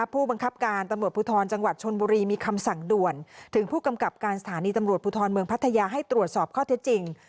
ผู้บังคับการตำรวจภูทรจังหวัดชนบุรีมีคำสั่งด่วนถึงผู้กำกับการสถานีตำรวจภูทรเมืองพัทยาให้ตรวจสอบข้อเท็จจริง